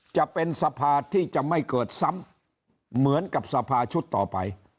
จะเป็นสภาที่จะไม่เกิดซ้ำเหมือนกับสภาชุดต่อไป